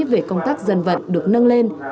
về công tác dân vận được nâng lên